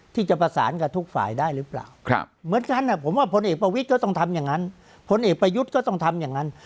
ที่จะประสานกับทุกฝ่ายได้หรือเปล่าครับเหมือนกันอ่ะผมว่าพลเอกประวิทย์ก็ต้องทำอย่างนั้น